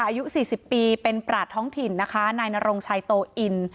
อายุสี่สิบปีเป็นปราศท้องถิ่นนะคะนายนรงชัยโตอิน